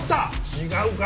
違うか？